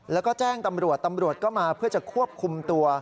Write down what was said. แล้วก็แจ้งตำรวจตำรวจก็มาเพื่อจะควบคุมตัว